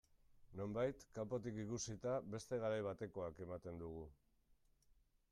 Nonbait, kanpotik ikusita, beste garai batekoak ematen dugu.